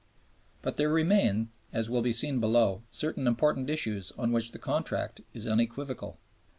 But there remain, as will be seen below, certain important issues on which the Contract is unequivocal.